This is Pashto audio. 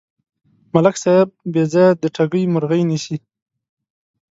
ملک صاحب بېځایه د ټګۍ مرغۍ نیسي.